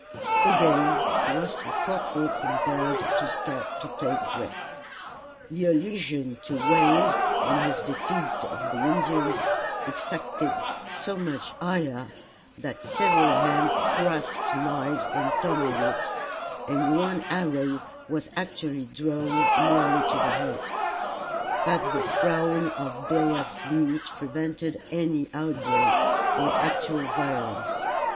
Again was the corporal compelled to stop to take breath. The allusion to Wayne, and his defeat of the Indians, excited so much ire, that several hands grasped knives and tomahawks, and one arrow was actually drawn nearly to the head; but the frown of Bear's Meat prevented any outbreak, or actual violence.